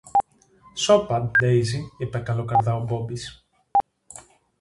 Σώπα, Ντέιζη, είπε καλόκαρδα ο Μπόμπης